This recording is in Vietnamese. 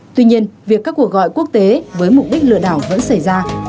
tuy nhiên việc các cuộc gọi quốc tế với mục đích lừa đảo vẫn xảy ra